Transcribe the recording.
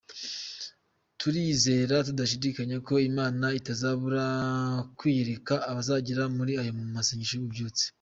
Turizera tudashidikanya ko Imana itazabura kwiyereka abazayegera muri aya masengesho y’ububyutse.